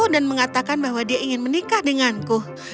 dan mengatakan bahwa dia ingin menikah denganku